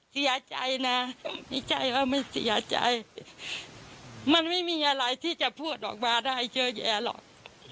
เสียใจนะดีใจเขาไม่เสียใจมันไม่มีอะไรที่จะพูดออกมาได้เยอะแยะหรอก